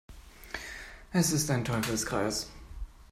Es ist ein Teufelskreis.